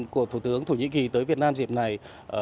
của thủ tướng thổ nhĩ kỳ tới việt nam dịp này